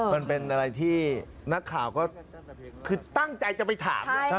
มันเป็นอะไรที่นักข่าวก็คือตั้งใจจะไปถาม